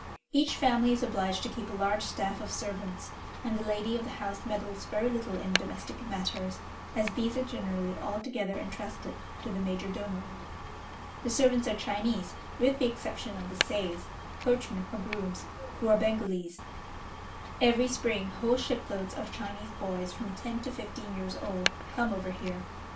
Each family is obliged to keep a large staff of servants, and the lady of the house meddles very little in domestic matters, as these are generally altogether entrusted to the major domo. The servants are Chinese, with the exception of the seis (coachmen or grooms), who are Bengalese. Every spring, whole shiploads of Chinese boys, from ten to fifteen years old, come over here.